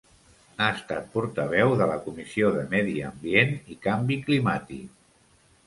Ha estat portaveu de la Comissió de Medi Ambient i canvi climàtic.